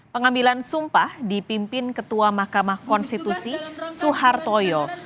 pengambilan sumpah dipimpin ketua mahkamah konstitusi suhartoyo